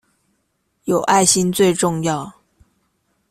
有愛心最重要